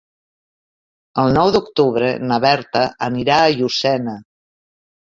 El nou d'octubre na Berta anirà a Llucena.